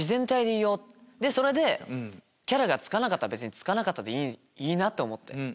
それでキャラがつかなかったらつかなかったでいいって思って。